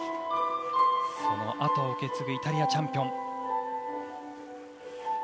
そのあとを受け継ぐイタリアチャンピオン。